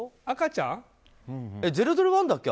赤ちゃん。